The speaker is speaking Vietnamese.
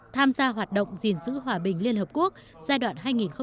tham gia hoạt động gìn giữ hòa bình liên hợp quốc giai đoạn hai nghìn một mươi bốn hai nghìn hai mươi